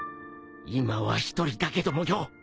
今は一人だけどもよ